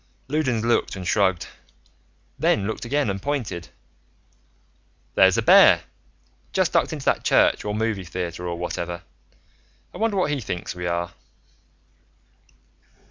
Loudons looked and shrugged, then looked again and pointed. "There's a bear. Just ducked into that church or movie theater or whatever. I wonder what he thinks we are."